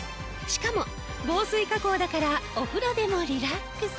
しかも防水加工だからお風呂でもリラックス。